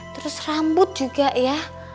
terus rambut juga ya